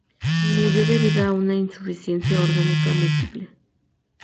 Y murió debido a una insuficiencia orgánica múltiple.